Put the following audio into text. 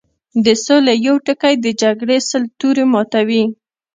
د سولې يو ټکی د جګړې سل تورې ماتوي